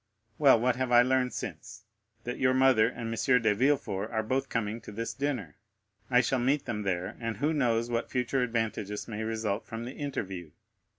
Well, what have I learned since? That your mother and M. de Villefort are both coming to this dinner. I shall meet them there, and who knows what future advantages may result from the interview?